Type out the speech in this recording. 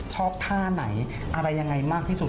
ท่าไหนอะไรยังไงมากที่สุด